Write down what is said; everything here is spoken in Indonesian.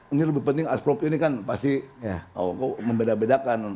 ini lebih penting asprop ini kan pasti membeda bedakan